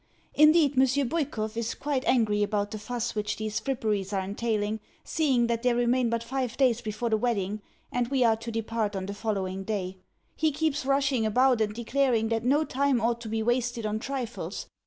Indeed, Monsieur Bwikov is quite angry about the fuss which these fripperies are entailing, seeing that there remain but five days before the wedding, and we are to depart on the following day. He keeps rushing about and declaring that no time ought to be wasted on trifles.